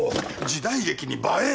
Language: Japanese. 時代劇に映え！